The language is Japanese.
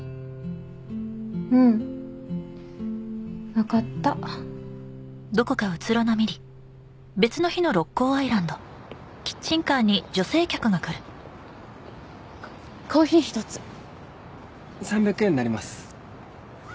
うんわかったコーヒー１つ３００円になります